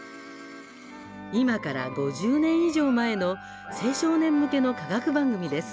今から５０年以上前の青少年向けの科学番組です。